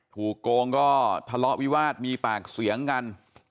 โกงก็ทะเลาะวิวาสมีปากเสียงกัน